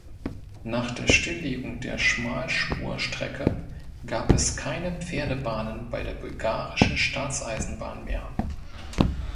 Nach der Stilllegung der Schmalspurstrecke gab es keine Pferdebahnen bei der Bulgarischen Staatseisenbahn mehr.